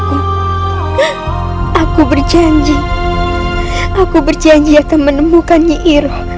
ibu nang akan selamatkan ibu